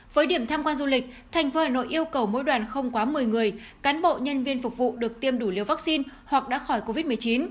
với điểm tham quan du lịch tp hà nội yêu cầu mỗi đoàn không quá một mươi người cán bộ nhân viên phục vụ được tiêm đủ liều vaccine hoặc đã khỏi covid một mươi chín